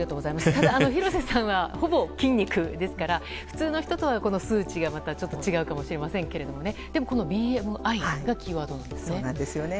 ただ、廣瀬さんはほぼ筋肉ですから普通の人とは少し数値が違うかもしれませんがこのＢＭＩがキーワードなんですね。